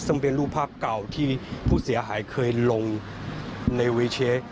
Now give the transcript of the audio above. ซึ่งเป็นรูปภาพเก่าที่ผู้เสียหายเคยลงในวีเชค